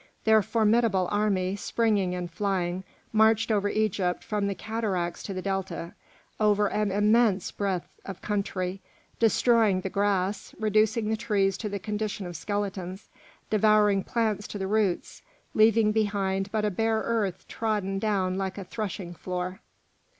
Their formidable army, springing and flying, marched over Egypt from the Cataracts to the Delta, over an immense breadth of country, destroying the grass, reducing the trees to the condition of skeletons, devouring plants to the roots, leaving behind but a bare earth trodden down like a threshing floor.